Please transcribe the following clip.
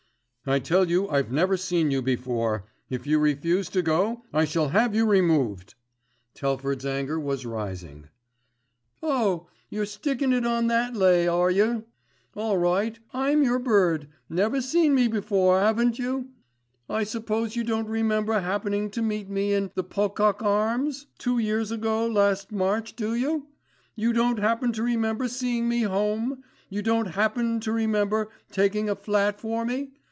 "I tell you I've never seen you before. If you refuse to go I shall have you removed." Telford's anger was rising. "Oh! you're stickin' it on that lay, are you? All right, I'm your bird. Never seen me before, haven't you? I suppose you don't remember happening to meet me in "The Pocock Arms" two years ago last March do you? You don't happen to remember seeing me home. You don't happen to remember taking a flat for me.